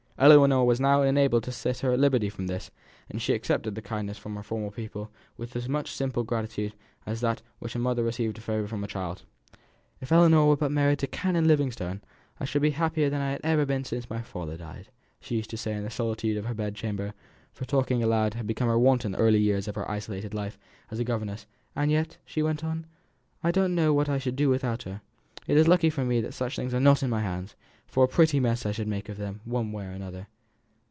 Ellinor was now enabled to set her at liberty from this, and she accepted the kindness from her former pupil with as much simple gratitude as that with which a mother receives a favour from a child. "If Ellinor were but married to Canon Livingstone, I should be happier than I have ever been since my father died," she used to say to herself in the solitude of her bed chamber, for talking aloud had become her wont in the early years of her isolated life as a governess. "And yet," she went on, "I don't know what I should do without her; it is lucky for me that things are not in my hands, for a pretty mess I should make of them, one way or another.